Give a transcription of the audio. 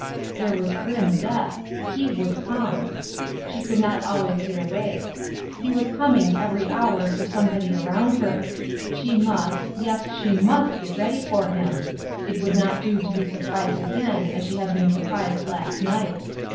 There was grim death! he would come. She could not always get away. He was coming every hour for somebody around her. She must yes, she must get ready for him. It would not do to be surprised again as she had been surprised last night.